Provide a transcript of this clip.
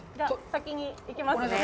先に行きますね。